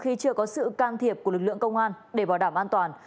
khi chưa có sự can thiệp của lực lượng công an để bảo đảm an toàn